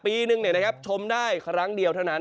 ปีหนึ่งนะครับชมได้ครั้งเดียวเท่านั้น